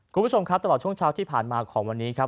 คุณผู้ชมครับตลอดช่วงเช้าที่ผ่านมาของวันนี้ครับ